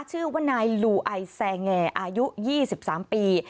ชื่อว่านายลูไอแซงแอร์อายุ๒๓ปี